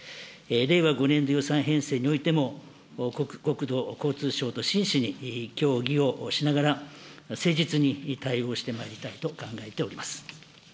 令和５年度予算編成においても国土交通省と真摯に協議をしながら、誠実に対応してまいりたいと考えております。